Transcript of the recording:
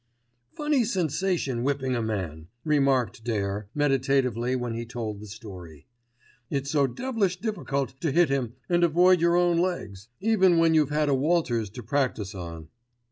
"Funny sensation whipping a man," remarked Dare, meditatively when he told the story, "It's so devilish difficult to hit him and avoid your own legs, even when you've had a Walters to practise on."